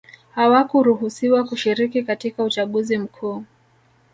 hawakuruhusiwa kushiriki katika uchaguzi mkuu